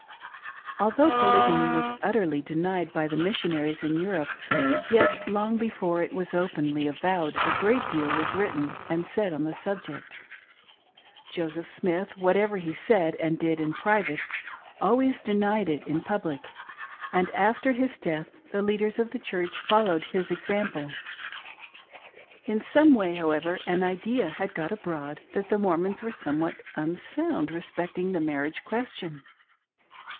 Although Polygamy was utterly denied by the Missionaries in Europe, yet long before it was openly avowed a great deal' was written and said on the subject. Joseph Smith, whatever he said and did in private, always denied it in public, and after his death the leaders of the Church folbwed his example. In some way, however, an idea had got abroad that the Mor mons were somewhat unsound respecting the marriage ques tion.